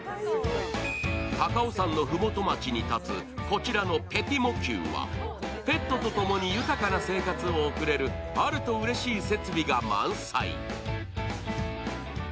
高尾山の麓街に建つこちらのＰｅｔｉｍｏＱはペットとともに豊かな生活を送れるあるとうれしい設備が満載。